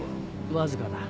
わずかだ。